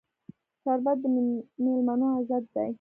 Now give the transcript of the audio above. شربت د میلمنو عزت دی